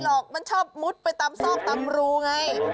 หรอกมันชอบมุดไปตามซอกตามรูไง